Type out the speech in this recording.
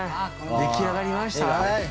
でき上がりました？